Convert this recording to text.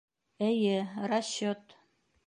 — Эйе, расчет.